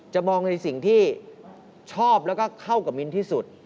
มองในสิ่งที่ชอบแล้วก็เข้ากับมิ้นที่สุด